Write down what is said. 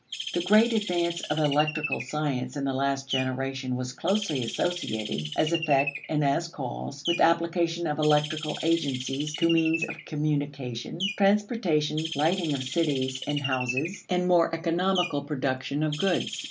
The great advance of electrical science in the last generation was closely associated, as effect and as cause, with application of electric agencies to means of communication, transportation, lighting of cities and houses, and more economical production of goods.